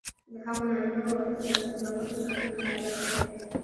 د هغو نارینهوو او ښځو د لاسته رواړنو په هکله مطالعه وکړئ